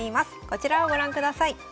こちらをご覧ください。